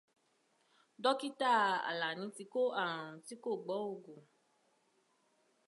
Dókítà Àlàní ti kó àrùn tí kò gbọ́ òògùn.